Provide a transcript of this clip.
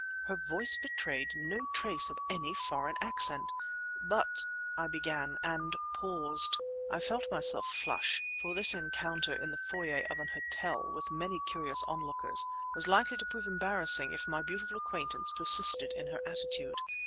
Her voice betrayed no trace of any foreign accent! "But," I began—and paused. I felt myself flush; for this encounter in the foyer of an hotel, with many curious onlookers, was like to prove embarrassing if my beautiful acquaintance persisted in her attitude.